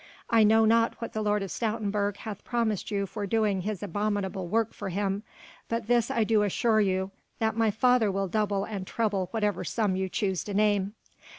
I know not what the Lord of Stoutenburg hath promised you for doing his abominable work for him, but this I do assure you that my father will double and treble whatever sum you choose to name.